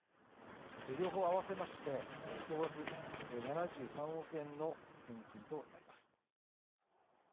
両方合わせまして、総額７３億円の返金となります。